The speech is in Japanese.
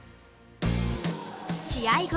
試合後